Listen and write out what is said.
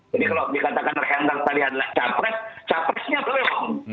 jadi kalau dikatakan rheanggang tadi adalah capres capresnya belum